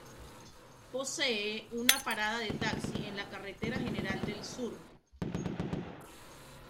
Posee una parada de taxi en la Carretera General del Sur.